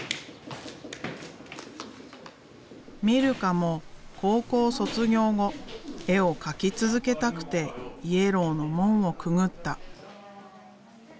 ミルカも高校卒業後絵を描き続けたくてＹＥＬＬＯＷの門をくぐった。